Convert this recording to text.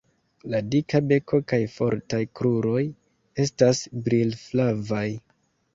La dika beko kaj fortaj kruroj estas brilflavaj.